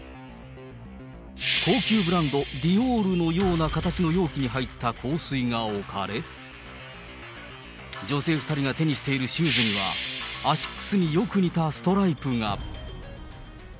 高級ブランド、ディオールのような形の容器に入った香水が置かれ、女性２人が手にしているシューズには、アシックスによく似たストライプが。